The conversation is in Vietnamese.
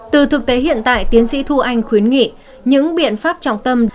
từ thực tế hiện tại tiến sĩ thu anh khuyến nghị những biện pháp trọng tâm